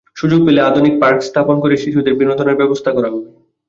সুযোগ পেলে আধুনিক পার্ক স্থাপন করে শিশুদের বিনোদনের ব্যবস্থা করা হবে।